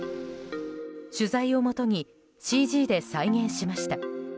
取材をもとにＣＧで再現しました。